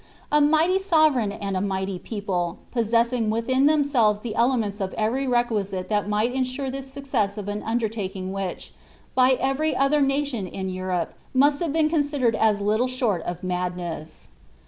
A mighty sovereign and a mighty people,' possessing within themselves the ele ments of every requisite that might ensure the success of an undertaking which, by every other nation in Europe, must have been considered as little short of madness.